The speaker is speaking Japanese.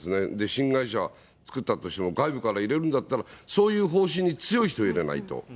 新会社作ったとしても、外部から入れるんだったら、そういう方針に強い人を入れないと。